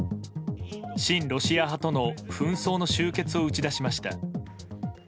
親ロシア派との紛争の終結を打ち出しました。